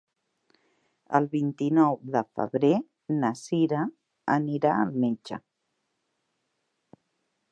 El vint-i-nou de febrer na Cira anirà al metge.